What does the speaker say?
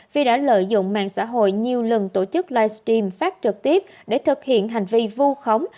vì đã lợi dụng mạng xã hội nhiều lần tổ chức livestream phát trực tiếp để thực hiện hành vi vu khống